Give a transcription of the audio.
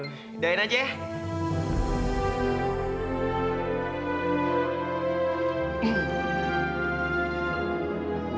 udahin aja ya